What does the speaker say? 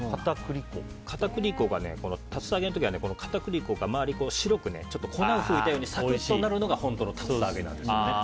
片栗粉が竜田揚げの時には周りが白く粉をふいたようにサクッとなるのが本当の竜田揚げなんですよね。